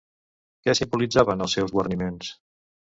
Què simbolitzaven els seus guarniments?